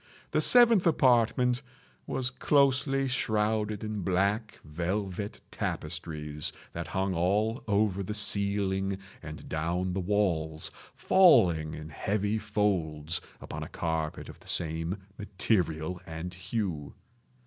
The seventh apartment was closely shrouded in black velvet tapestries that hung all over the ceiling and down the walls, falling in heavy folds upon a carpet of the same material and hue.